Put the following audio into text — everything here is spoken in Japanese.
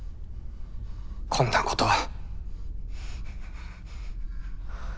こんなことは。